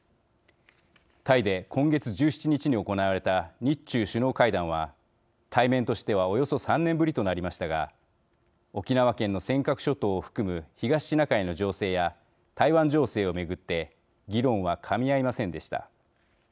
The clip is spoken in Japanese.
タイで今月１７日に行われた日中首脳会談は対面としてはおよそ３年ぶりとなりましたが沖縄県の尖閣諸島を含む東シナ海の情勢や台湾情勢を巡って議論はかみ合いませんでした。